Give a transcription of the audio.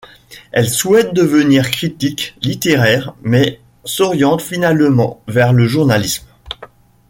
Elle souhaite devenir critique littéraire, mais s'oriente finalement vers le journalisme.